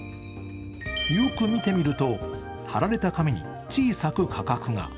よく見てみると、貼られた紙に小さく価格が。